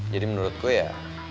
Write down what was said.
jadi menurut gue ya